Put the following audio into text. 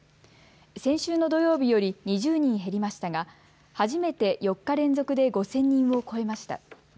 先週の土曜日より２０人減りましたが初めて４日連続で５０００人を超えました。